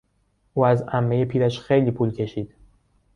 او از عمهی پیرش خیلی پول کشید.